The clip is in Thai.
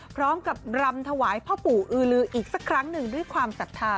พร้อมกับรำถวายพ่อปู่อือลืออีกสักครั้งหนึ่งด้วยความศรัทธา